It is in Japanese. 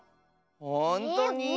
ほんとに？